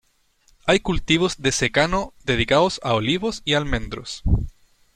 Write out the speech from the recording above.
Hay cultivos de secano dedicados a olivos y almendros.